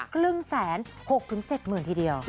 ครึ่งแสน๖๗เหมือนทีเดียว